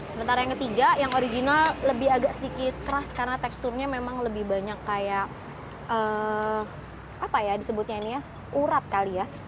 sementara yang ketiga yang original lebih agak sedikit keras karena teksturnya memang lebih banyak kayak apa ya disebutnya ini ya urat kali ya